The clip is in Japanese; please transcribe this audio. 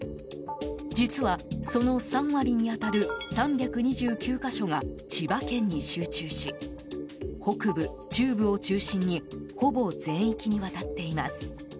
実は、その３割に当たる３２９か所が千葉県に集中し北部、中部を中心にほぼ全域にわたっています。